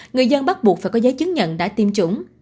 người dân bắt buộc phải có giấy chứng nhận đã tiêm chủng